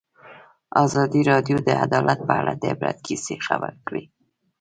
ازادي راډیو د عدالت په اړه د عبرت کیسې خبر کړي.